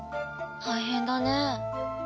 大変だね。